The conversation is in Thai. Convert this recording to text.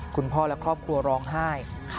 คุณพ่อและครอบครัวร้องไห้